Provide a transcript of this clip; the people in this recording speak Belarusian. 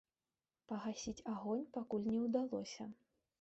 Пагасіць агонь пакуль не ўдалося.